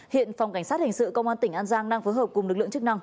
hiện phòng cảnh sát hình sự công an tỉnh an giang đang phối hợp cùng lực lượng chức năng